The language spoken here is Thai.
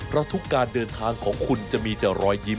เพราะทุกการเดินทางของคุณจะมีแต่รอยยิ้ม